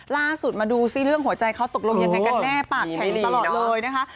ล่าสุดมาดูซิเรื่องหัวใจเขาตกลงยังไงกันแน่ปากแข็งตลอดเลยนะคะ